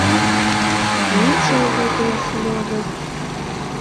Ён чуў гэтыя словы.